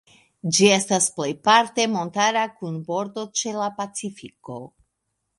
Ĝi estas plejparte montara, kun bordo ĉe la Pacifiko.